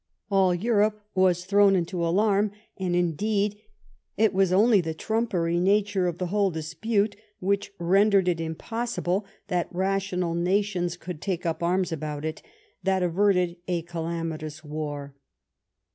All Europe was thrown into alarm, and indeed it was only the trumpery nature of the whole dispute, which rendered it impossible that rational nations could take up arms about it, that averted a calamitous war.